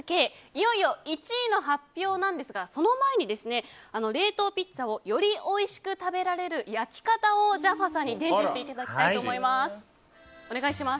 いよいよ１位の発表なんですがその前に冷凍ピッツァをよりおいしく食べられる焼き方をジャッファさんに伝授していただきたいと思います。